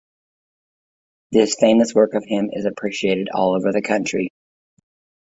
This famous work of him is appreciated all over the country.